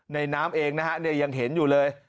น้ำเองนะฮะยังเห็นอยู่เลย